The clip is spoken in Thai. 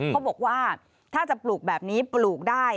เขาบอกว่าถ้าจะปลูกแบบนี้ปลูกได้